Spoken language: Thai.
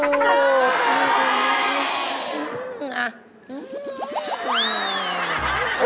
เอาล่ะ